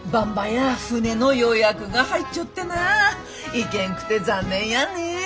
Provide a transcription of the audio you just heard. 行けんくて残念やね。